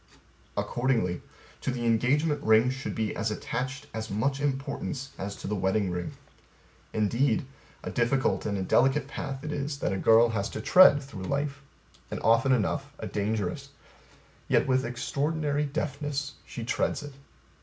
Accordingly To the engagement ring should be as attached as much importance as to the wedding ring. Indeed, A difficult and a delicate path it is that a girl has to tread through life and often enough a dangerous. Yet with extraordinary deftness she treads it.